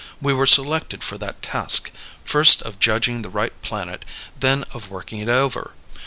We were selected for that task first of judging the right planet, then of working it over.